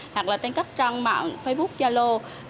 hoặc là trên các trang mạng facebook yalo